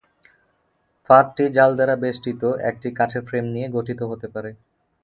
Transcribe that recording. ফাঁদটি জাল দ্বারা বেষ্টিত একটি কাঠের ফ্রেম নিয়ে গঠিত হতে পারে।